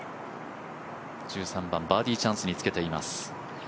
１３番、バーディーチャンスにつけています。